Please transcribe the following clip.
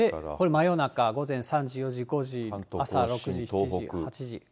真夜中、午前３時、４時、５時、朝６時、７時、８時。